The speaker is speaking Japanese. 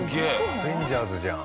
アベンジャーズじゃん。